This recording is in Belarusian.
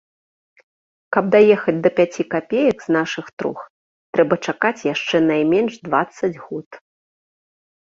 Каб даехаць да пяці капеек з нашых трох, трэба чакаць яшчэ найменш дваццаць год.